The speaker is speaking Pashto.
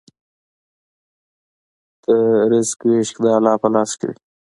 د رزق وېش د الله په لاس کې دی.